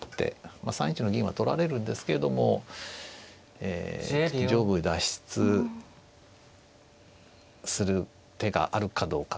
まあ３一の銀は取られるんですけれどもえ上部脱出する手があるかどうか。